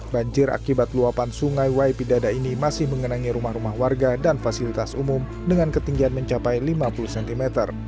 banjir akibat luapan sungai waipidada ini masih mengenangi rumah rumah warga dan fasilitas umum dengan ketinggian mencapai lima puluh cm